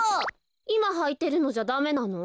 いまはいてるのじゃダメなの？